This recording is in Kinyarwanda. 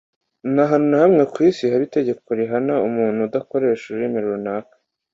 nta hantu na hamwe ku isi haba itegeko rihana umuntu udakoresha ururimi runaka.